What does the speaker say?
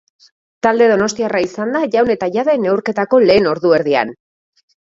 Talde donostiarra izan da jaun eta jabe neurketako lehen ordu erdian.